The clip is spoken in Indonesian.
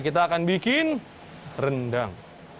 kita akan bikin rendang